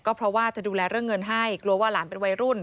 เพราะว่าจะดูแลเรื่องเงินให้กลัวว่าหลานเป็นวัยรุ่น